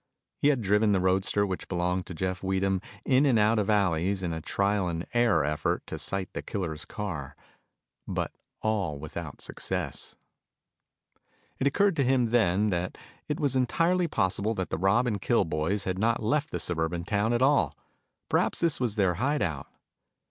He had driven the roadster which belonged to Jeff Weedham in and out of alleys in a trial and error effort to sight the killers' car, but all without success. It occurred to him then that it was entirely possible that the rob and kill boys had not left the suburban town at all. Perhaps this was their hideout.